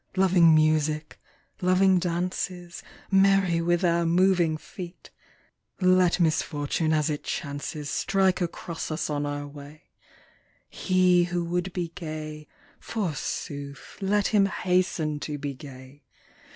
Loving music, loving dances. Merry with our moving feet ! Let misfortune as it chances Strike across us on our way : He who would be gay, forsooth, Let him hasten to be gay.